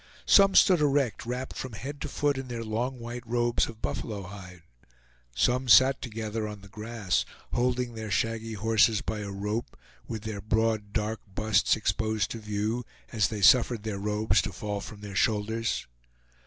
Some stood erect, wrapped from head to foot in their long white robes of buffalo hide. Some sat together on the grass, holding their shaggy horses by a rope, with their broad dark busts exposed to view as they suffered their robes to fall from their shoulders.